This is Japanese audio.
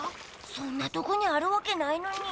そんなとこにあるわけないのに。